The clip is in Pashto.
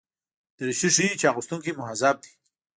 دریشي ښيي چې اغوستونکی مهذب دی.